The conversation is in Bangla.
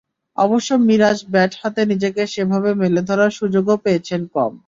অবশ্য মিরাজ ব্যাট হাতে নিজেকে সেভাবে মেলে ধরার সুযোগও পেয়েছেন কম।